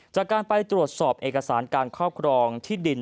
จากการไปตรวจสอบเอกสารการครอบครองที่ดิน